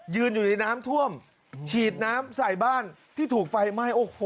อยู่ในน้ำท่วมฉีดน้ำใส่บ้านที่ถูกไฟไหม้โอ้โห